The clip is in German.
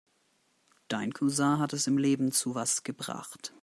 Dein Cousin hat es im Leben zu was gebracht.